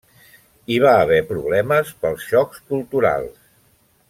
Hi va haver problemes pels xocs culturals.